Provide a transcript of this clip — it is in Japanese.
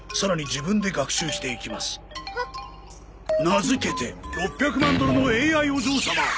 名付けて６００万ドルのＡＩお嬢様！